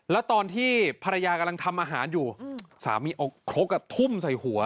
แล้วตอนที่ภรรยากำลังทำอาหารอยู่สามีเอาครกทุ่มใส่หัว